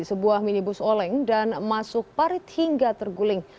sebuah minibus oleng dan masuk parit hingga terguling